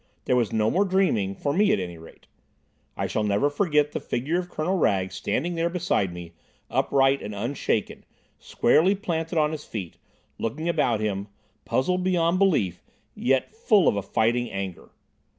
There was no more dreaming, for me at any rate. I shall never forget the figure of Colonel Wragge standing there beside me, upright and unshaken, squarely planted on his feet, looking about him, puzzled beyond belief, yet full of a fighting anger.